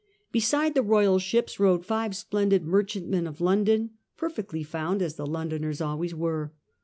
Beside the royal ships rode five splendid merchantmen of London, perfectly found, as the Londoners always were.